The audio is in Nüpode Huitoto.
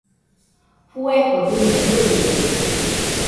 Fueko dɨne bɨidɨkue.